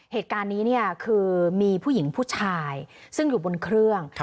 เหตุการณ์นี้เนี่ยคือมีผู้หญิงผู้ชายซึ่งอยู่บนเครื่อง